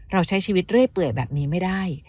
เราใช้ชีวิตเรื่อยเปื่อยแบบนี้ไม่ได้